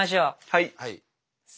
はい。